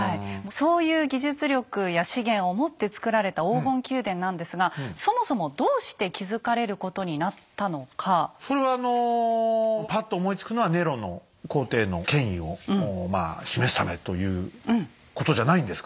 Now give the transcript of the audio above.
そういう技術力や資源をもって造られた黄金宮殿なんですがそもそもそれはあのパッと思いつくのはネロの皇帝の権威を示すためということじゃないんですか？